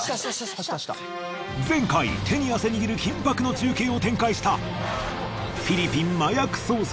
前回手に汗握る緊迫の中継を展開した。